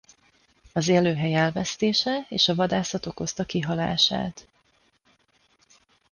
Az élőhely elvesztése és a vadászat okozta kihalását.